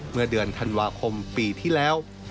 เมื่อเดือนธันวาคมปีที่แล้ว